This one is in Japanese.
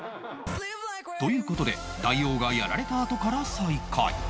という事で大王がやられたあとから再開